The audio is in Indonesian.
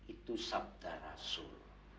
itu sabda rasul